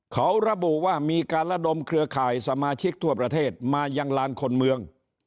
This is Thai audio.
เขาระบุว่ามีการระดมเครือข่ายสมาชิกทั่วประเทศมายังลานคนเมือง